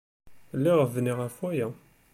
Lliɣ bniɣ ɣef waya!